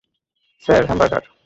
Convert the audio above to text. Sir, hamburger.